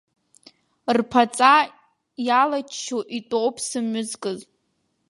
Рԥаҵа иалаччо итәоуп сымҩа зкыз.